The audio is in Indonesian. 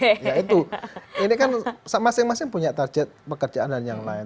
nah itu ini kan masing masing punya target pekerjaan dan yang lain